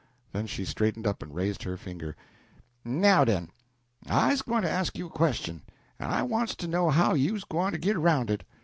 Then she straightened up and raised her finger: "Now den! I's gwine to ask you a question, en I wants to know how you's gwine to git aroun' it.